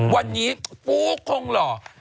วันนี้ปูคงหล่อ